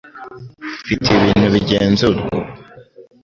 Mfite ibintu bigenzurwa ubu